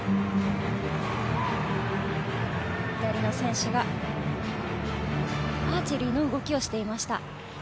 左の選手がアーチェリーの動きをしていました。